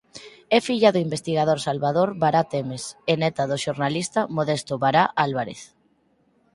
É filla do investigador Salvador Bará Temes e neta do xornalista Modesto Bará Álvarez.